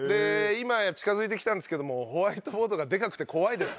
今近付いてきたんですけどもホワイトボードがでかくて怖いです。